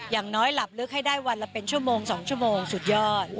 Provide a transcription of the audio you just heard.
อย่างน้อยหลับลึกให้ได้วันละเป็นชั่วโมง๒ชั่วโมงสุดยอด